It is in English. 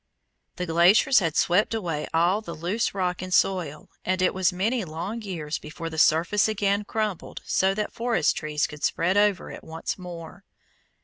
The glaciers had swept away all the loose rock and soil, and it was many long years before the surface again crumbled so that forest trees could spread over it once more.